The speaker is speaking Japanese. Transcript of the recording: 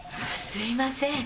すいません。